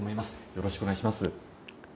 よろしくお願いします。